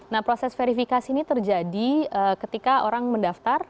nah proses verifikasi ini terjadi ketika orang mendaftar